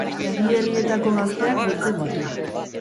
Bi herrietako gazteak biltzen ditu.